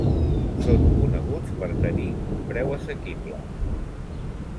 Són coneguts per tenir un preu assequible.